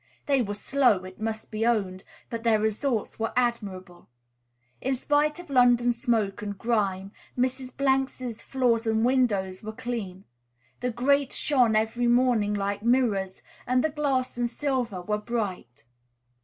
They were slow, it must be owned; but their results were admirable. In spite of London smoke and grime, Mrs. 's floors and windows were clean; the grates shone every morning like mirrors, and the glass and silver were bright.